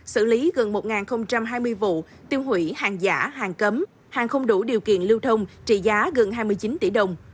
xử lý gần một hai mươi vụ tiêu hủy hàng giả hàng cấm hàng không đủ điều kiện lưu thông trị giá gần hai mươi chín tỷ đồng